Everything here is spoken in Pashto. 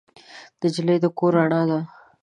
نجلۍ د کور رڼا ده.